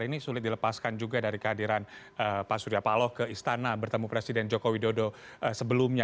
ini sulit dilepaskan juga dari kehadiran pak surya paloh ke istana bertemu presiden joko widodo sebelumnya